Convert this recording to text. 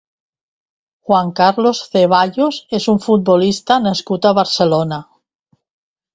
Juan Carlos Ceballos és un futbolista nascut a Barcelona.